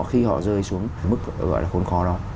khi họ rơi xuống mức gọi là khốn khó đó